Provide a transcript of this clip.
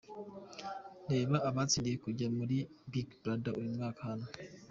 Reba abatsindiye kujya muri Big Brother uyu mwaka hano.